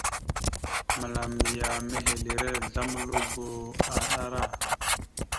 Məlam ya mehelire azlam algo ahəɗara.